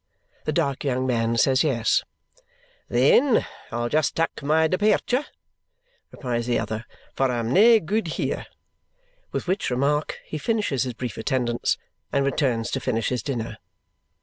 The dark young man says yes. "Then I'll just tak' my depairture," replies the other, "for I'm nae gude here!" With which remark he finishes his brief attendance and returns to finish his dinner.